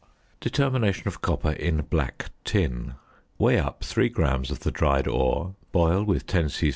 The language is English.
~Determination of Copper in "Black Tin."~ Weigh up 3 grams of the dried ore, boil with 10 c.c.